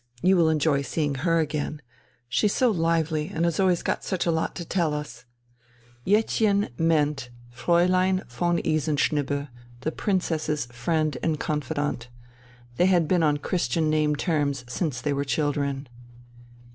You will enjoy seeing her again. She's so lively, and has always got such a lot to tell us." "Jettchen" meant Fräulein von Isenschnibbe, the Princess's friend and confidant. They had been on Christian name terms since they were children.